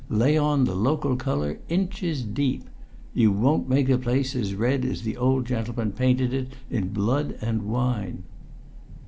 Lay on the local colour inches deep! You won't make the place as red as the old gentleman painted it in blood and wine!"